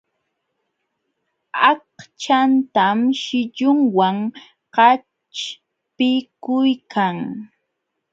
Aqchantan shillunwan qaćhpikuykan.